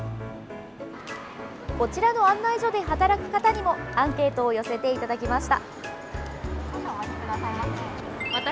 こちらの案内所で働く方にもアンケートを寄せていただきました。